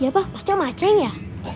iya pak pasti sama aceng ya